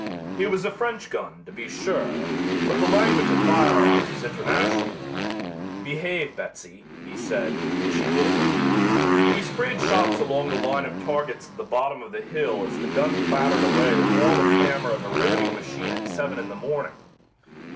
It was a French gun, to be sure, but the language of firearms is international. "Behave, Betsy," he said and she did. He sprayed shots along the line of targets at the bottom of the hill as the gun clattered away with all the clamor of a riveting machine at seven in the morning.